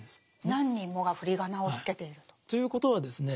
何人もが振り仮名をつけていると。ということはですね